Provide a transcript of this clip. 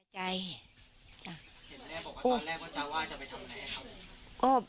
เกี่ยวใจ